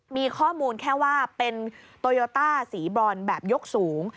มีข้อมูลแค่ว่าเป็นโตโยต้าสีบรอนแบบยกสูง